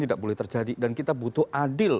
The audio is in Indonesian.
tidak boleh terjadi dan kita butuh adil